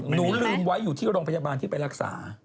ลืมไว้อยู่ที่โรงพยาบาลที่ไปรักษา